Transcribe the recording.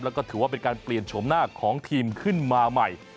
แล้วก็ถือว่าเป็นการเปลี่ยนโฉมหน้าของทีมขึ้นมาใหม่